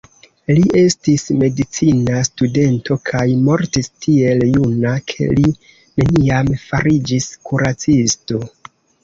Li estis medicina studento kaj mortis tiel juna ke li neniam fariĝis kuracisto.